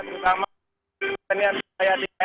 terutama petenian budaya di keduka